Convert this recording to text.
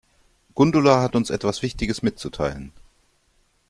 Gundula hat uns etwas Wichtiges mitzuteilen.